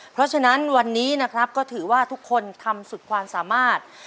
เพราะฉะนั้นวันนี้นะครับก็ถือว่าทุกคนทำสุดความสามารถ